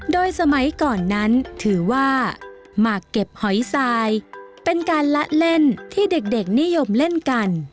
โดยสมัยก่อนนั้นถือว่าหมากเก็บหอยทรายเป็นการละเล่นที่เด็กนิยมเล่นกัน